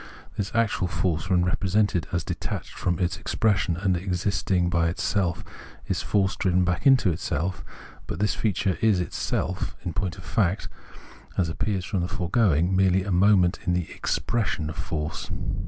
This actual force, when represented as detached from its expression and existing by itself, is force driven back into itseK ; but this feature is itself, in point of fact, as appears from the foregoing, merely a moment in the expression of force.